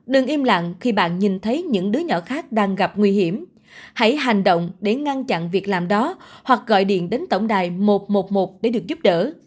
đừng im lặng khi bạn nhìn thấy những đứa nhỏ khác đang gặp nguy hiểm hãy hành động để ngăn chặn việc làm đó hoặc gọi điện đến tổng đài một trăm một mươi một để được giúp đỡ